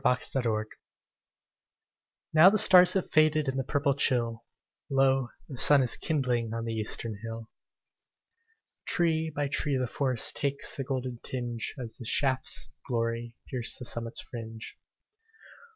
At Sunrise Now the stars have faded In the purple chill, Lo, the sun is kindling On the eastern hill. Tree by tree the forest Takes the golden tinge, As the shafts of glory Pierce the summit's fringe.